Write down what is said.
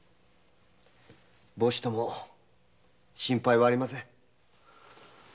母子とも心配はありません。